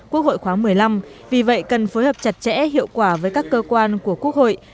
quốc hội khóa một mươi năm vì vậy cần phối hợp chặt chẽ hiệu quả với các cơ quan của quốc hội